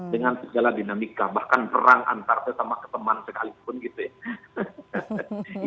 dengan segala dinamika bahkan perang antar sesama keteman sekalipun gitu ya